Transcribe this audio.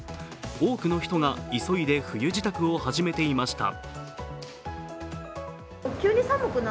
多くの人が急いで冬支度を始めていました。